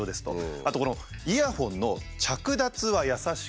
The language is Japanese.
あとこの「イヤホンの着脱はやさしく」。